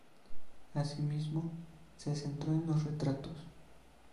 Asimismo, se centró en los retratos.